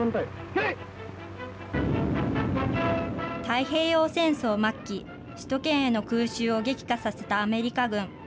太平洋戦争末期、首都圏への空襲を激化させたアメリカ軍。